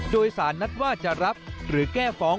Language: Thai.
โดยสารนัดว่าจะรับหรือแก้ฟ้อง